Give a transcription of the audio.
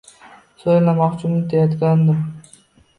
So’zlamoqni unutayotganim